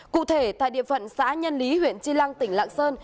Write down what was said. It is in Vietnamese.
cụ thể tại địa phận xã nhân lý huyện chi lăng tỉnh lạng sơn